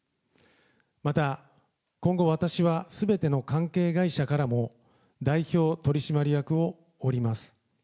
また今後、私はすべての関係会社からも、代表取締役を降ります。